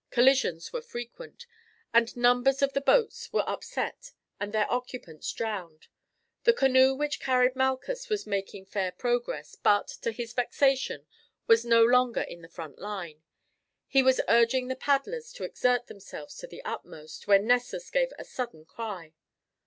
Collisions were frequent, and numbers of the boats were upset and their occupants drowned. The canoe which carried Malchus was making fair progress, but, to his vexation, was no longer in the front line. He was urging the paddlers to exert themselves to the utmost, when Nessus gave a sudden cry.